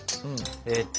えっと。